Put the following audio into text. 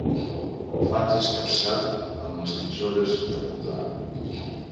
Faig escapçat amb les tisores de podar.